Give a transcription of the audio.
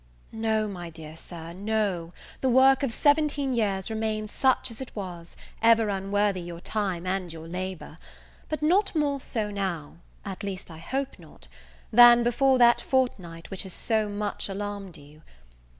NO, my dear Sir, no: the work of seventeen years remains such as it was, ever unworthy your time and your labour; but not more so now at least I hope not, than before that fortnight which has so much alarmed you.